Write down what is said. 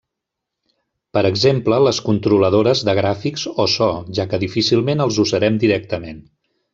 Per exemple les controladores de gràfics o so, ja que difícilment els usarem directament.